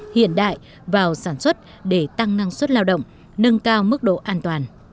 hiện đại vào sản xuất để tăng năng suất lao động nâng cao mức độ an toàn